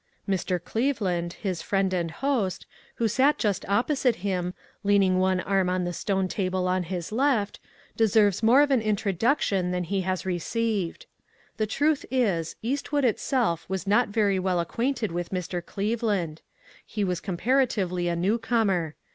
Mr. Cleveland, his friend and host, who sat just opposite him, leaning one arm on the stone table at his left, deserves more of an introduction than he has re ceived. The truth is, Eastwood itself was not very well acquainted with Mr. Cleveland. He was comparatively a new comer.